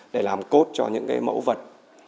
để làm cốt cho những mẫu vật